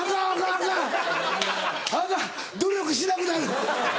アカン努力しなくなる。